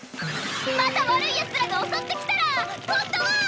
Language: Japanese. また悪いヤツらが襲ってきたら今度は。